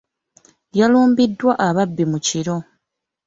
Yalumbiddwa ababbi mu kiro.